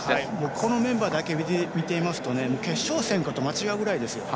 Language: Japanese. このメンバーだけ見ると決勝戦かと間違うぐらいですよ。